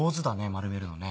丸めるのね。